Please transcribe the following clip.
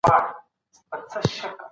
مسلمانانو پريکړه وکړه چي په ځای کي متحد سي.